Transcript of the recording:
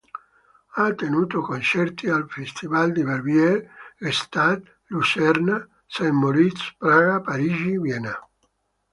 Ha tenuto concerti al Festival di Verbier, Gstaad, Lucerna, St. Moritz, Praga, Parigi, Vienna.